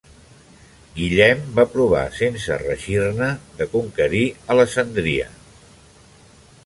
Guillem va provar, sense reeixir-ne, de conquerir Alessandria.